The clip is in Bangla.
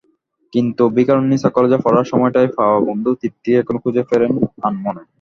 কিন্তু ভিকারুননিসা কলেজে পড়ার সময়টায় পাওয়া বন্ধু তৃপ্তিকে এখনো খুঁজে ফেরেন আনমনে।